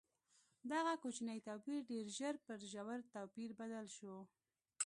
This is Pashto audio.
دغه کوچنی توپیر ډېر ژر پر ژور توپیر بدل شو.